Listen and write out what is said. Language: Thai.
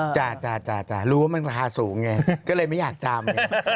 จ้ารู้ว่ามันราคาสูงไงก็เลยไม่อยากจำ